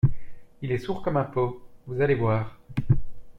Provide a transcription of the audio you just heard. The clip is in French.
Il est sourd comme un pot… vous allez voir…